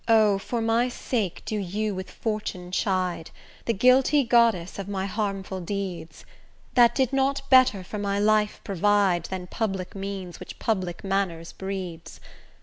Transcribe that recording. for my sake do you with Fortune chide, The guilty goddess of my harmful deeds, That did not better for my life provide Than public means which public manners breeds.